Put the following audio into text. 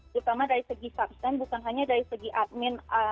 terutama dari segi substan bukan hanya dari segi admin